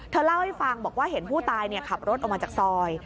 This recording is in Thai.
เล่าให้ฟังบอกว่าเห็นผู้ตายขับรถออกมาจากซอย